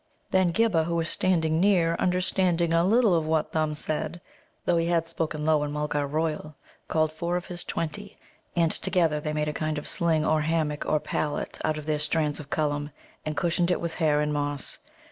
Then Ghibba, who was standing near, understanding a little of what Thumb said, though he had spoken low in Mulgar royal, called four of his twenty. And together they made a kind of sling or hammock or pallet out of their strands of Cullum, and cushioned it with hair and moss.